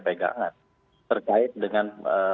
pegangan terkait dengan